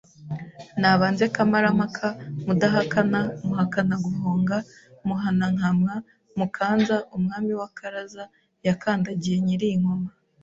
Nabanze Kamarampaka Mudahakana Muhakanaguhonga Muhanankamwa Mukanza Umwami w’Akaraza Yakandagiye Nyiri i Nkoma